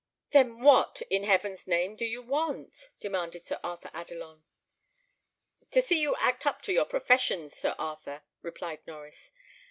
"Then what, in heaven's name, do you want?" demanded Sir Arthur Adelon. "To see you act up to your professions, Sir Arthur," replied Norries.